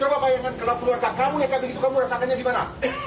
coba bayangkan kalau keluarga kamu yang kayak begitu kamu rasakannya gimana